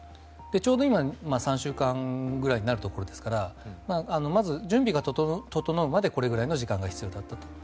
ちょうど今、３週間ぐらいになるところですからまず、準備が整うまでこれくらいの時間が必要だったと。